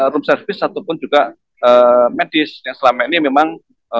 room service ataupun juga medis yang selama ini memang